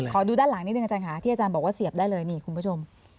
ดูด้านหลังนิดนึงอาจารย์ค่ะที่อาจารย์บอกว่าเสียบได้เลยนี่คุณผู้ชม